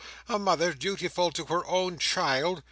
A mother dutiful to her own child!"